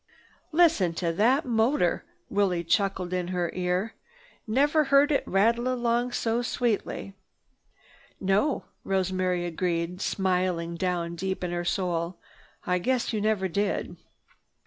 "Listen to that motor!" Willie chuckled in her ear. "Never heard it rattle along so sweetly." "No," Rosemary agreed, smiling down deep in her soul, "I guess you never did!"